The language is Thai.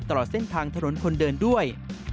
ตลอดเส้นทางถนนคนเดินด้วย